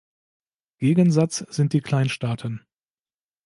Gegensatz sind die Kleinstaaten.